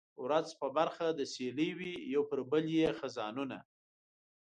ورځ په برخه د سیلۍ وي یو پر بل یې خزانونه